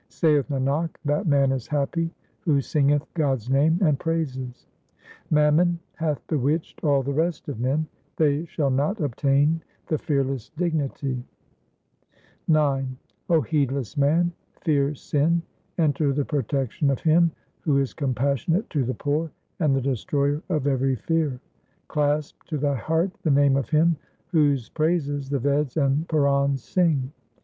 Saith Nanak, that man is happy who singeth God's name and praises ; Mammon hath bewitched all the rest of men ; they shall not obtain the fearless dignity. 396 THE SIKH RELIGION IX 0 heedless man, fear sin. 1 Enter the protection of Him who is compassionate to the poor and the destroyer of every fear. Clasp to thy heart the name of Him whose praises the Veds and Purans sing.